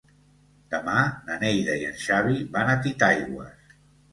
Demà na Neida i en Xavi van a Titaigües.